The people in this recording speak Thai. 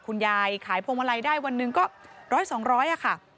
คุณยายขายโพมะลายได้วันหนึ่งก็๑๐๐๒๐๐อ่ะค่ะ